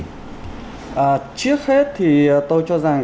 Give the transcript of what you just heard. trước hết thì tôi cho rằng